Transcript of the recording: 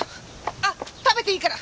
あっ食べていいから。